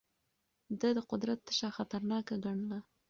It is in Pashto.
ده د قدرت تشه خطرناکه ګڼله.